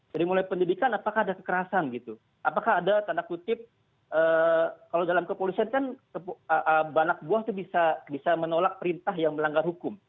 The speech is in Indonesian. jadi mulai pendidikan apakah ada kekerasan gitu apakah ada tanda kutip kalau dalam kepolisian kan banak buah itu bisa menolak perintah yang melanggar hukum